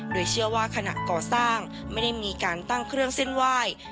โดยเชื่อว่าขณะก่อสร้างไม่ได้มีการตั้งเครื่องเส้นไหว้